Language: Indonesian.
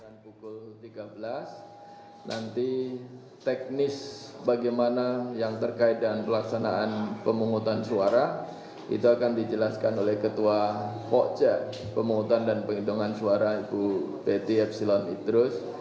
nanti pukul tiga belas nanti teknis bagaimana yang terkait dengan pelaksanaan pemungutan suara itu akan dijelaskan oleh ketua koja pemungutan dan penghitungan suara ibu betty epsilon idrus